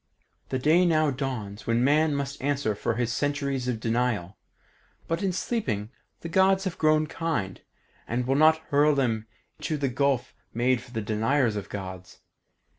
The day now dawns when man must answer for his centuries of denial, but in sleeping the Gods have grown kind, and will not hurl him to the gulf made for deniers of Gods.